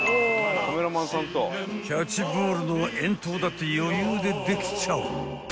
［キャッチボールの遠投だって余裕でできちゃう］